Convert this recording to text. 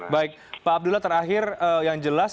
baik pak abdullah terakhir yang jelas